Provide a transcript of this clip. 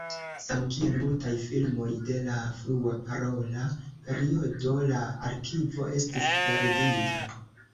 Samkiel multaj filmoj de la frua parola periodo, la arkivo estis perdita.